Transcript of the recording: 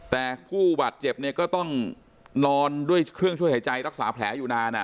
แต่ผู้บาดเจ็บเนี่ยก็ต้องนอนด้วยเครื่องช่วยหายใจรักษาแผลอยู่นาน